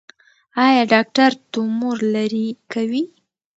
ایا ډاکټر تومور لرې کوي؟